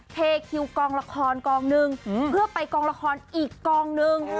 เทคิวกองละครกองหนึ่งเพื่อไปกองละครอีกกองนึง